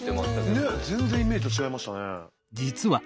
ねえ全然イメージと違いましたね。